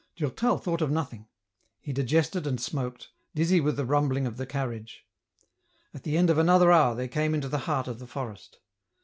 Durtal thought of nothing ; he digested and smoked, dizzy with the rumbling of the carriage. At the end of another hour they came into the heart af the forest.